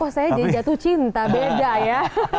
oh saya jadi jatuh cinta beda ya